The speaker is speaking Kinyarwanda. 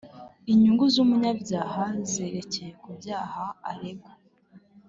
inyungu z umunyabyaha zerekeye ku byaha aregwa